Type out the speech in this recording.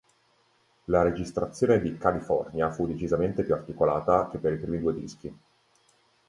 La registrazione di "California" fu decisamente più articolata che per i primi due dischi.